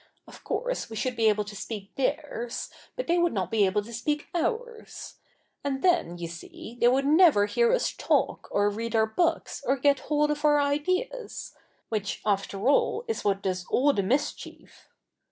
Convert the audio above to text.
Of course we should be able to speak theirs, but they would not be able to speak ours. And then, you see, they would never hear us talk, or read our books, or get hold of our ideas ; which, after all, is what does all the mischief.